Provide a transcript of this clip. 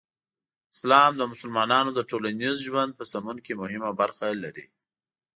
اسلام د مسلمانانو د ټولنیز ژوند په سمون کې مهمه برخه لري.